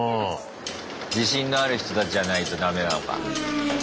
自信のある人たちじゃないとダメなのか。